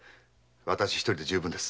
私一人で十分です。